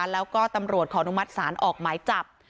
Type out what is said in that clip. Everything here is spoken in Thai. แล้วก็ตำรวจขออนุมัติศาลออกหมายจับ